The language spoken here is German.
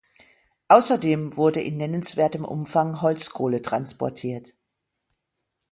Außerdem wurde in nennenswertem Umfang Holzkohle transportiert.